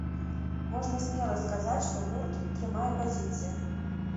Можна смела сказаць, што гурт трымае пазіцыі.